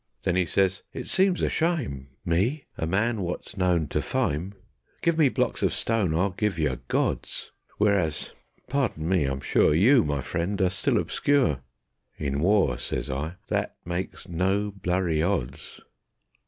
Then 'e says: "It seems a shyme, Me, a man wot's known ter Fyme: Give me blocks of stone, I'll give yer gods. Whereas, pardon me, I'm sure You, my friend, are still obscure. ..." "In war," says I, "that makes no blurry odds."